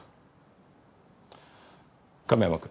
亀山君。